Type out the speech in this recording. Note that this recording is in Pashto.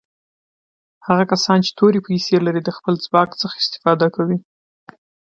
هغه کسان چې تورې پیسي لري د خپل ځواک څخه استفاده کوي.